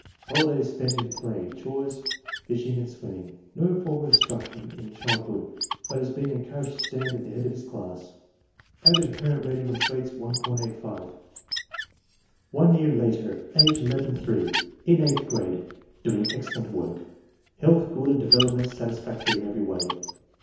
Holidays spent in play, chores, fishing, and swimming. No formal instruction in childhood, but has been encouraged to stand at the head of his class. Average parent rating on traits, 1.85. One year later, age 11 8. In the eighth grade, doing excellent work. Health good and development satis factory in every way.